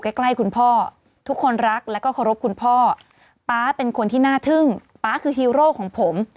ใกล้คุณพ่อทุกคนรักแล้วก็เคารพคุณพ่อป๊าเป็นคนที่น่าทึ่งป๊าคือฮีโร่ของผม